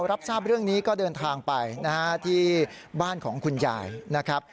รับทราบเรื่องนี้ก็เดินทางไปนะฮะที่บ้านของคุณยายนะครับ